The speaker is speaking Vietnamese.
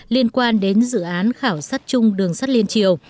liên quan đến dự án khảo sát chung đường sắt liên triều